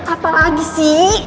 apa lagi sih